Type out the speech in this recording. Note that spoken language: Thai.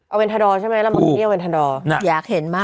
เอาเวนทาดอร์ใช่ไหมละมันเรียกว่าเวนทาดอร์อยากเห็นมาก